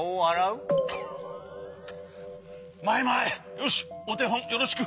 マイマイよしおてほんよろしく。